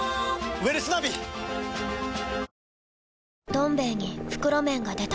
「どん兵衛」に袋麺が出た